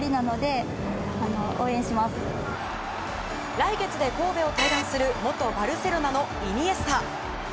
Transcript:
来月で神戸を退団する元バルセロナのイニエスタ。